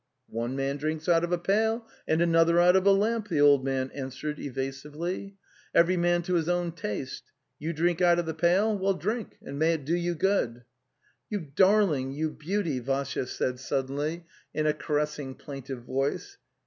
'"One man drinks out of a pail and another out of a lamp,' the old man answered evasively. 'Every man to his own taste. ... You drink out of the pail—vwell, drink, and may it do you POO. a "You darling, you beauty!' Vassya said sud deny, in' /'a)icanessing') plaintive) voice.